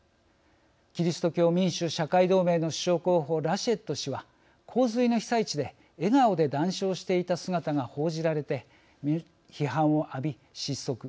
キリスト教民主社会同盟の首相候補ラシェット氏は洪水の被災地で笑顔で談笑していた姿が報じられて批判を浴び、失速。